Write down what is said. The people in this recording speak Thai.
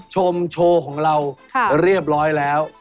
ชมโชว์ของเราเรียบร้อยแล้ว